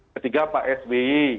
ketiga pak sbe